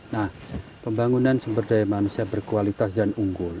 nah pembangunan sumber daya manusia berkualitas dan unggul